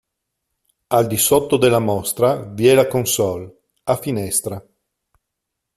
Al di sotto della mostra vi è la consolle, a finestra.